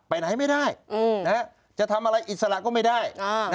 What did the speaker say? ไปไหนไม่ได้จะทำอะไรอิสระก็ไม่ได้